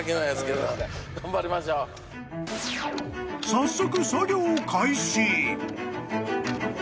［早速］